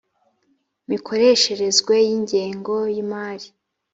mikoresherezwe y ingengo y imari